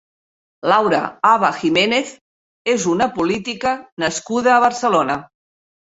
Laura Haba Jiménez és una política nascuda a Barcelona.